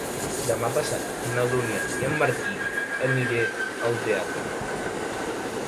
Demà passat na Dúnia i en Martí aniré al teatre.